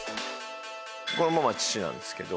これ父なんですけど。